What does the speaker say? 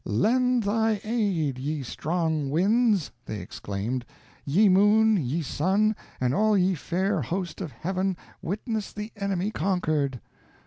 "Lend thy aid, ye strong winds," they exclaimed, "ye moon, ye sun, and all ye fair host of heaven, witness the enemy conquered."